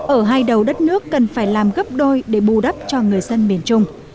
ở hai đầu đất nước cần phải làm gấp đôi để bù đắp cho người dân miền trung